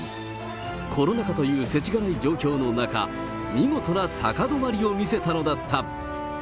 コロナ禍という世知辛い状況の中、見事な高止まりを見せたのだった。